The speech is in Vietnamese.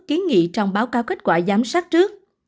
kiến nghị trong báo cáo kết quả giám sát trước